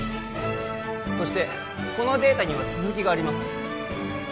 そしてこのデータには続きがあります